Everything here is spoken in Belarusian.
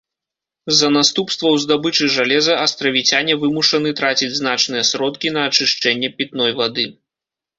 З-за наступстваў здабычы жалеза астравіцяне вымушаны траціць значныя сродкі на ачышчэнне пітной вады.